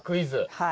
はい。